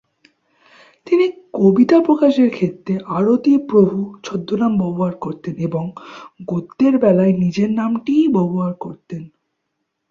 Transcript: তিনি কবিতা প্রকাশের ক্ষেত্রে "আরতি প্রভু" ছদ্মনাম ব্যবহার করতেন এবং গদ্যের বেলায় নিজের নামটিই ব্যবহার করতেন।